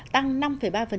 tăng năm ba so với